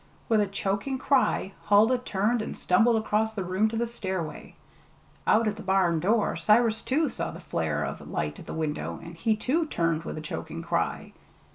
With a choking cry, Huldah turned and stumbled across the room to the stairway. Out at the barn door Cyrus, too, saw the flare of light at the window, and he, too, turned with a choking cry.